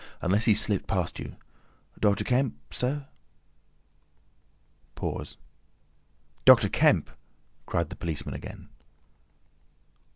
Unless he's slipped past you. Doctor Kemp—sir." Pause. "Doctor Kemp," cried the policeman again.